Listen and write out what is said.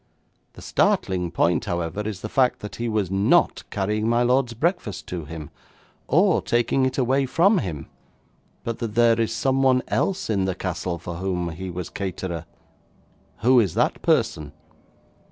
The startling point, however, is the fact that he was not carrying my lord's breakfast to him, or taking it away from him, but that there is someone else in the castle for whom he was caterer. Who is that person?'